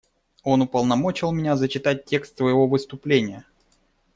Он уполномочил меня зачитать текст своего выступления.